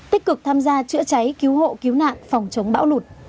tích cực tham gia chữa cháy cứu hộ cứu nạn phòng chống bão lụt